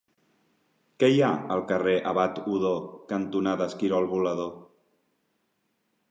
Què hi ha al carrer Abat Odó cantonada Esquirol Volador?